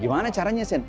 gimana caranya sen